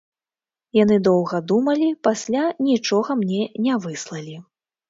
Яны доўга думалі, пасля нічога мне не выслалі.